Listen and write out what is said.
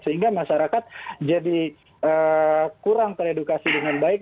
sehingga masyarakat jadi kurang teredukasi dengan baik